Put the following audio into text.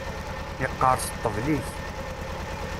Yeqqerṣ ṭṭbel-ik.